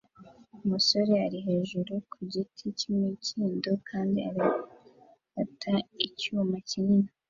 Umusore ari hejuru ku giti cy'imikindo kandi aragikata icyuma kinini